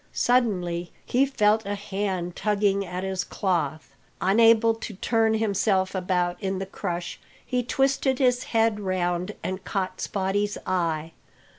Suddenly he felt a hand tugging at his cloth. Unable to turn himself about in the crush, he twisted his head round and caught Spottie's eye.